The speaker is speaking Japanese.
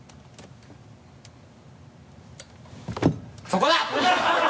そこだ！